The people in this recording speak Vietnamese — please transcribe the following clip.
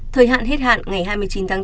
thời hạn hết hạn ngày hai mươi chín tháng bốn